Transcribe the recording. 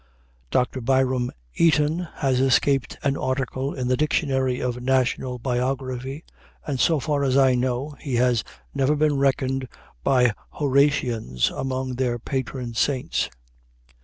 Dr. Biram Eaton has escaped an article in the Dictionary of National Biography, and, so far as I know, he has never been reckoned by Horatians among their patron saints.